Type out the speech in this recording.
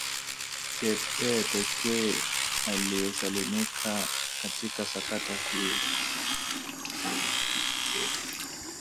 e pekee aliyesalimika katika sakata hilo